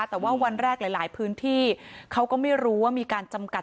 แต่ว่าวันแรกหลายพื้นที่เขาก็ไม่รู้ว่ามีการจำกัด